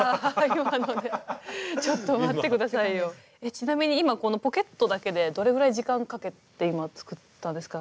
ちなみに今このポケットだけでどれぐらい時間かけて今作ったんですか？